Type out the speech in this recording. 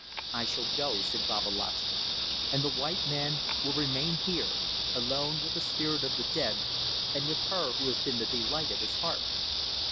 "I shall go," said Babalatchi, "and the white man will remain here, alone with the spirit of the dead and with her who has been the delight of his heart.